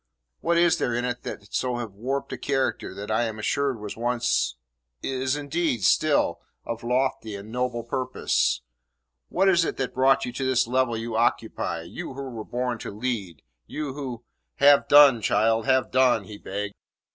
"What is there in it so to have warped a character that I am assured was once is, indeed, still of lofty and noble purpose? What is it has brought you to the level you occupy you who were born to lead; you who " "Have done, child. Have done," he begged.